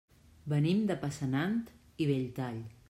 Venim de Passanant i Belltall.